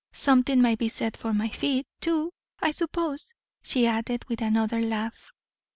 Something might be said for my feet, too, I suppose," she added, with another laugh.